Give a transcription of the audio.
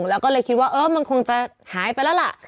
แล้วก็เลยคิดว่ามันคงจะหายไปแล้วล่ะ